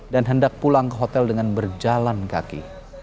dan hendak pulang ke hotel dengan berjalan kaki